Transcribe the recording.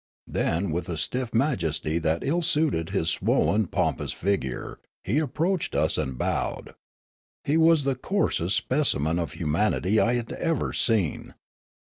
Then with a stiff majesty that ill suited his swollen pompous figure he approached us and bowed. He was the coarsest specimen of humanity I had ever seen.